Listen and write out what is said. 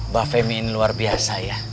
mbak femi ini luar biasa ya